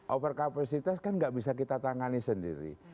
overkapasitas kan tidak bisa kita tangani sendiri